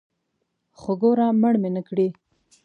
خو ګوره مړ مې نکړې.